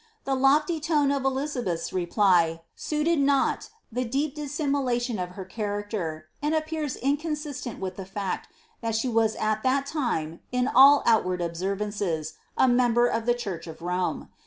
The loAy tone of Elizabeth's reply suited not the deep dissimulation of her cbaracter, and appears inconsistent with the fact, that tflie was at that time, in all outward observances, a member of the church of Rome.